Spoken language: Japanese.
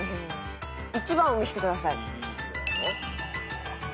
１番を見せてください。